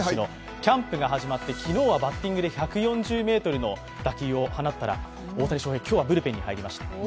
キャンプが始まって、昨日はバッティングで１４０キロの打球を放ったら大谷翔平、今日はブルペンに入りました。